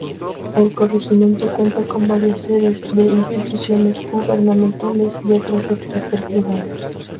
El corregimiento cuenta con varias sedes de instituciones gubernamentales y otras de carácter privado.